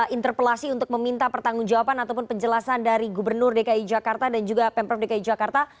interpelasi untuk meminta pertanggung jawaban ataupun penjelasan dari gubernur dki jakarta dan juga pemprov dki jakarta